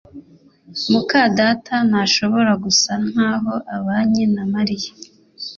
muka data ntashobora gusa nkaho abanye na Mariya